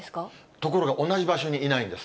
ところが同じ場所にいないんです。